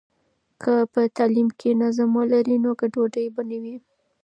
که په تعلیم کې نظم ولري، نو ګډوډي به نه وي.